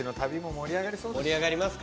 盛り上がりますか？